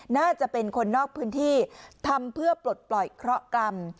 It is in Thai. น่าจะเป็นคนนอกพื้นที่ทำเพื่อปลดปล่อยเคราะห์กรรม